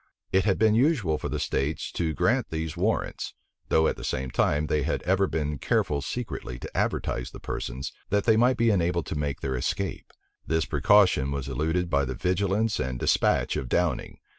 It had been usual for the states to grant these warrants; though at the same time, they had ever been careful secretly to advertise the persons, that they might be enabled to make their escape. This precaution was eluded by the vigilance and despatch of Downing.